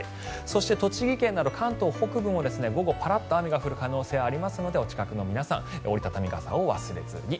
そして栃木県など関東北部も午後パラッと雨が降る可能性がありますのでお近くの皆さん折り畳み傘を忘れずに。